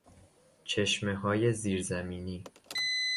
چشمههای زیر زمینی